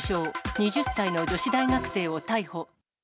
２０歳の女子大学生を逮捕。